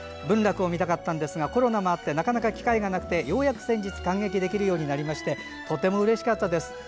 文楽を見たかったんですがコロナもあってなかなか機会がなくてようやく先日観劇できるようになりましてとてもうれしかったです。